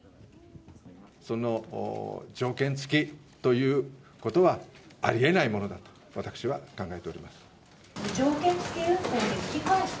その条件付きということは、ありえないものだと私は考えております。